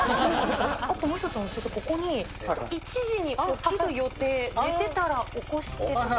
あともう一つ、先生、ここに、１時に起きる予定、寝てたら起こしてと。